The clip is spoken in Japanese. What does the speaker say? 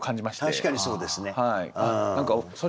確かにそうですね。